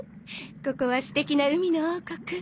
ここは素敵な海の王国。